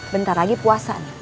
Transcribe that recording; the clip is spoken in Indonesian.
bentar lagi puasa